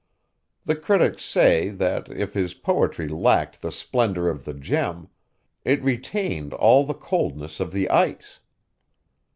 The critics say, that, if his poetry lacked the splendor of the gem, it retained all the coldness of the ice.